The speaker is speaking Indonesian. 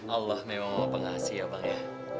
allah memang pengasih ya bang ya